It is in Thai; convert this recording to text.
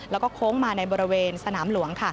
แล้วก็โค้งมาในบริเวณสนามหลวง